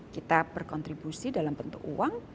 kita berkontribusi dalam bentuk uang